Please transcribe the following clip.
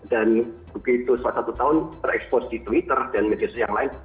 dan begitu selama satu tahun terekspos di twitter dan media sosial yang lain